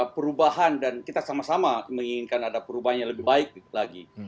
perubahan dan kita sama sama menginginkan ada perubahan yang lebih baik lagi